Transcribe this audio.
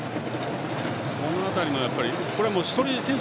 この辺りの選手